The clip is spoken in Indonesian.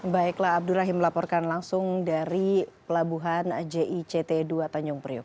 baiklah abdurrahim melaporkan langsung dari pelabuhan jict dua tanjung priok